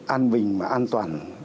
an bình và an toàn